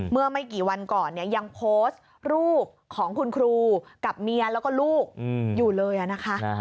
เมื่อไม่กี่วันก่อนเนี่ยยังโพสต์รูปของคุณครูกับเมียแล้วก็ลูกอยู่เลยนะคะ